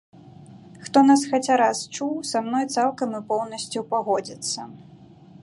Хто нас хаця раз чуў, са мной цалкам і поўнасцю пагодзіцца.